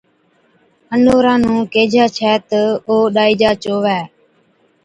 اَنوَرا نُون ڪيهجَي ڇَي تہ او ڏائِجا چووي